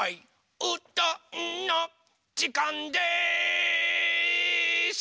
「うどんのじかんです！」